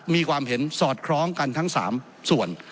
มีความเห็นสอดคล้องกันทั้ง๓ส่วน